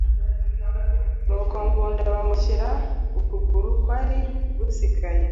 Nuko Ngunda bamushyira ukuguru kwari gusigaye